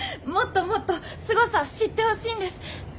もっともっとすごさを知ってほしいんです。